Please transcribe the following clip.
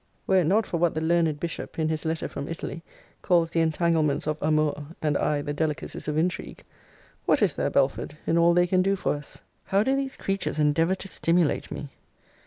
Were it not for what the learned Bishop, in his Letter from Italy, calls the entanglements of amour, and I the delicacies of intrigue, what is there, Belford, in all they can do for us? How do these creatures endeavour to stimulate me!